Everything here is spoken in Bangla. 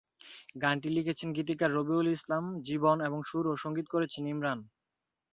গানটি লিখেছেন গীতিকার রবিউল ইসলাম জীবন এবং সুর ও সঙ্গীত করেছেন ইমরান।